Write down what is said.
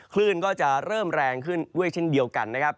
คลื่นก็จะเริ่มแรงขึ้นด้วยเช่นเดียวกันนะครับ